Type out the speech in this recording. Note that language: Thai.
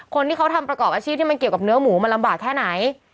คนที่เขาทำประกอบอาชีพที่มันเกี่ยวกับเนื้อหมูมันลำบากแค่ไหน